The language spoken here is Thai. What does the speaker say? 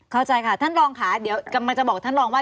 เข้าใจค่ะท่านรองค่ะเดี๋ยวกำลังจะบอกท่านรองว่า